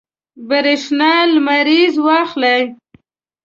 برېښنا لمریز واخلئ.